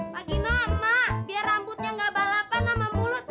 pagina emak biar rambutnya gak balapan sama mulut